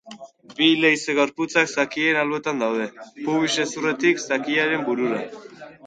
Bi leize-gorputzak zakilaren alboetan daude, pubis-hezurretik zakilaren burura.